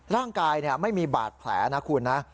ร่างกายไม่มีบาดแผลนะคุณนะ